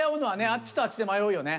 あっちとあっちで迷うよね。